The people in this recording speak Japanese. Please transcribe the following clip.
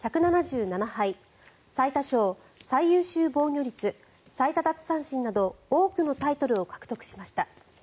１７７敗最多勝、最優秀防御率最多奪三振など多くのタイトルを獲得しました。